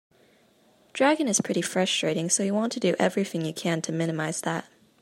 Dragon is pretty frustrating, so you want to do everything you can to minimize that.